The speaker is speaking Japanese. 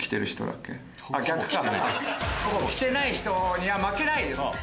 逆かほぼ着てない人には負けないです。